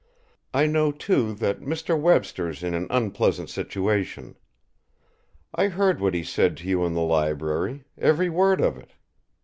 I know, too, that Mr. Webster's in an unpleasant situation. I heard what he said to you in the library, every word of it.